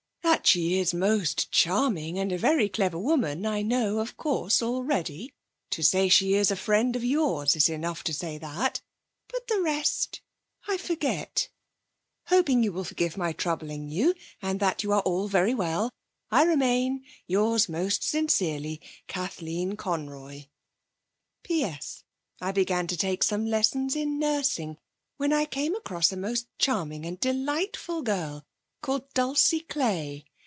That she is most charming and a very clever woman I know, of course, already. To say she is a friend of yours is enough to say that, but the rest I forget. 'Hoping you will forgive my troubling you, and that you are all very well, I remain, yours most sincerely. 'KATHLEEN CONROY 'P.S. I began to take some lessons in nursing when I came across a most charming and delightful girl, called Dulcie Clay.